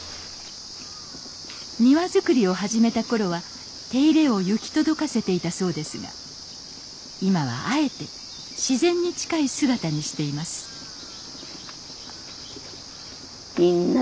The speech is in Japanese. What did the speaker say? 庭造りを始めた頃は手入れを行き届かせていたそうですが今はあえて自然に近い姿にしていますだんだんと。